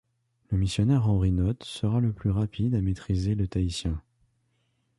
Le missionnaire Henry Nott sera le plus rapide à maitriser le tahitien.